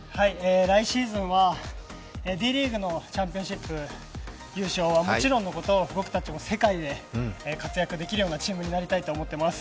来シーズンはＤリーグのチャンピオンシップ優勝はもちろんのこと、僕たちも世界で活躍できるようなチームになりたいと思っています。